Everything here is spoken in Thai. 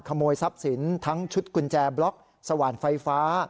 ขโมยทรัพย์สินทั้งชุดกุญแจบล็อกสว่านไฟฟ้า